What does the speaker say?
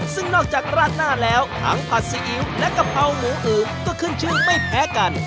ซึ่งนอกจากราดหน้าแล้วทั้งผัดซีอิ๊วและกะเพราหมูอึ๋มก็ขึ้นชื่อไม่แพ้กัน